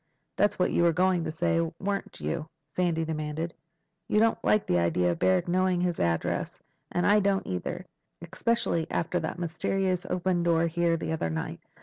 That's what you were going to say. Weren't you?" Sandy demanded. "You don't like the idea of Barrack knowing his address, and I don't either. Especially after that mysterious open door here the other night.